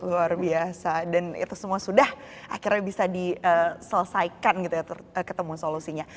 luar biasa dan itu semua sudah akhirnya bisa diselesaikan gitu ya ketemu solusinya